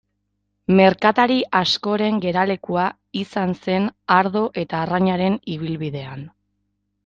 Merkatari askoren geralekua izan zen ardo eta arrainaren ibilbidean.